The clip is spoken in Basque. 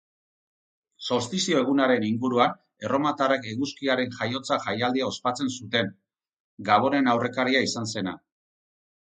Solstizio egunaren inguruan erromatarrek eguzkiaren jaiotza jaialdia ospatzen zuten, gabonen aurrekaria izan zena.